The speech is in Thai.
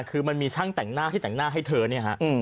คือมันมีช่างแต่งหน้าที่แต่งหน้าให้เธอเนี่ยฮะ